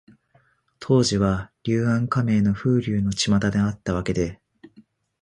当時は、柳暗花明の風流のちまたであったわけで、